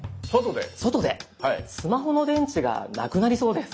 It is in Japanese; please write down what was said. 外でスマホの電池がなくなりそうです。